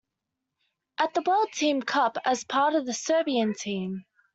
At the World Team Cup as a part of the Serbian team.